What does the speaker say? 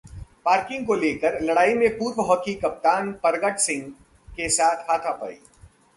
parking को लेकर लड़ाई में पूर्व हॉकी कप्तान परगट सिंह के साथ हाथापाई